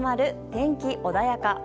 天気穏やか。